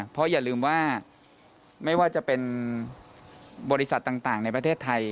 เพราะอย่าลืมว่าไม่ว่าจะเป็นบริษัทต่างในประเทศไทย